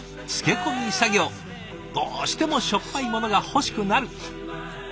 どうしてもしょっぱいものが欲しくなる。